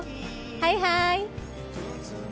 はいはーい。